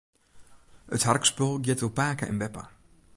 It harkspul giet oer pake en beppe.